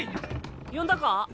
呼んだか？